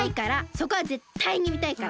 そこはぜったいにみたいから！